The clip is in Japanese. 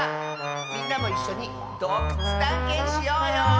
みんなもいっしょにどうくつたんけんしようよ！